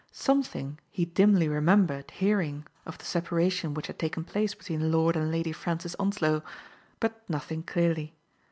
*' Something he dimly remembered hearing of the separation which had taken place between Lord and Lady Francis Onslow ; but nothing clearly.